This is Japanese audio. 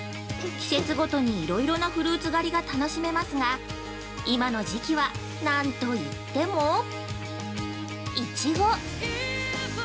季節ごとにいろいろなフルーツ狩りが楽しめますが、今の時期は、なんといっても、いちご！